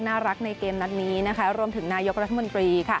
น่ารักในเกมนัดนี้รวมถึงนายกรัฐมนตรี